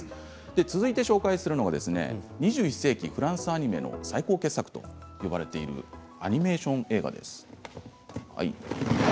続いて紹介するのが２１世紀フランスアニメの最高傑作と呼ばれているアニメーション映画です。